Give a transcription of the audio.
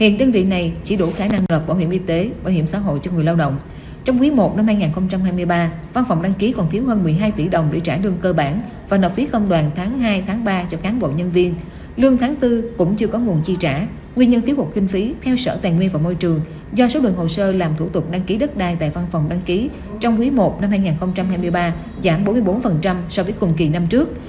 nguyên nhân thiếu hụt kinh phí theo sở tài nguyên và môi trường do số đường hồ sơ làm thủ tục đăng ký đất đai tại văn phòng đăng ký trong quý i năm hai nghìn hai mươi ba giảm bốn mươi bốn so với cùng kỳ năm trước